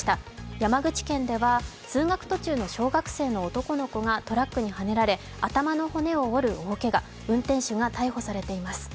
山口県では通学途中の小学生の男の子がトラックにはねられ頭の骨を折る大けが運転手が逮捕されています。